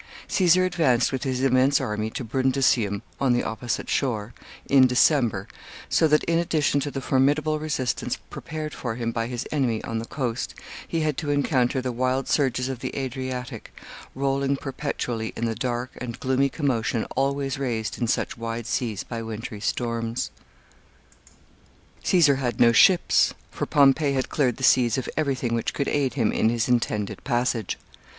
Caesar advanced with his immense army to Brundusium, on the opposite shore, in December, so that, in addition to the formidable resistance prepared for him by his enemy on the coast, he had to encounter the wild surges of the Adriatic, rolling perpetually in the dark and gloomy commotion always raised in such wide seas by wintery storms. [Sidenote: His address to his army.] Caesar had no ships, for Pompey had cleared the seas of every thing which could aid him in his intended passage.